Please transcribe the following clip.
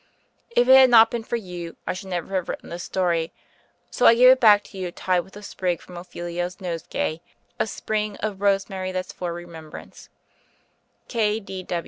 If it had not been for you, I should never have written this story, so I give it back to you tied with a sprig from Ophelia's nosegay; a spring of "rosemary, that's for remembrance."